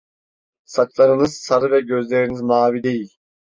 Saçlarınız sarı ve gözleriniz mavi değil!